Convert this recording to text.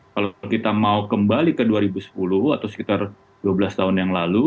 kalau kita mau kembali ke dua ribu sepuluh atau sekitar dua belas tahun yang lalu